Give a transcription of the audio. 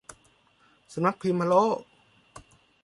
สำนักพิมพ์พะโล้